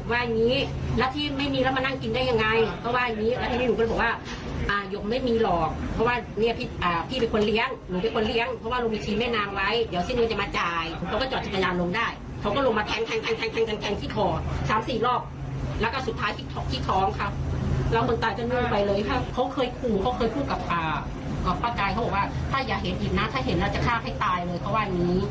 เขาเคยพูดกับป้าใจเขาบอกว่าถ้าอย่าเห็นอีกนะถ้าเห็นน่าจะฆ่าให้ตายเลยเขาว่าอย่างนี้